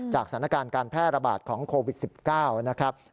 สถานการณ์การแพร่ระบาดของโควิด๑๙นะครับ